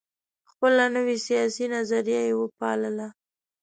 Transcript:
خپله نوي سیاسي نظریه یې وپالله.